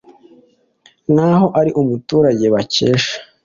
Nkaho ari umurage bakesha